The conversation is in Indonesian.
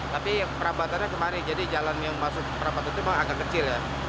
tapi perabatannya kemarin jadi jalan yang masuk perabatan itu memang agak kecil ya